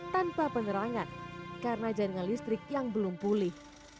tanpa penerangan karena jaringan listrik yang belum pulih